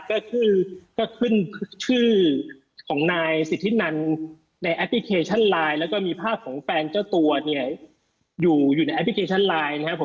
ก็ขึ้นก็ขึ้นชื่อของนายสิทธินันในแอปพลิเคชันไลน์แล้วก็มีภาพของแฟนเจ้าตัวเนี่ยอยู่ในแอปพลิเคชันไลน์นะครับผม